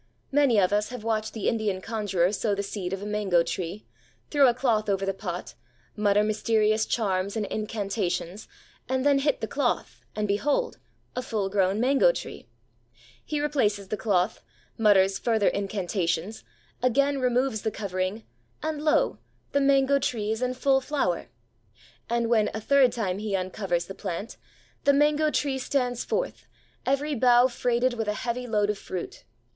Many of us have watched the Indian conjurer sow the seed of a mango tree; throw a cloth over the pot; mutter mysterious charms and incantations; and then hit the cloth. And, behold, a full grown mango tree! He replaces the cloth, mutters further incantations, again removes the covering, and, lo, the mango tree is in full flower! And when a third time he uncovers the plant, the mango tree stands forth, every bough freighted with a heavy load of fruit!